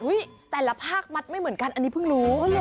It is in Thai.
แต่ละภาคมัดไม่เหมือนกันอันนี้เพิ่งรู้